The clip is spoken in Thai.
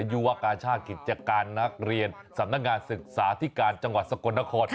ยุวกาชาติกิจการนักเรียนสำนักงานศึกษาธิการจังหวัดสกลนคร